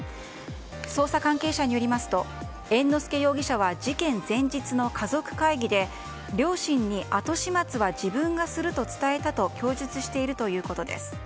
捜査関係者によりますと猿之助容疑者は事件前日の家族会議で両親に後始末は自分がすると伝えたと供述しているということです。